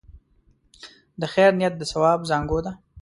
د خیر نیت د ثواب زانګو ده.